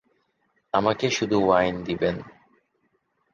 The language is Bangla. আমাকে শুধু ওয়াইন দিবেন।